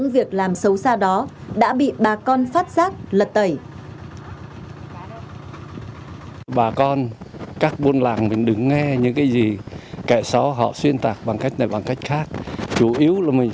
việc làm xấu xa đó đã bị bà con phát giác lật tẩy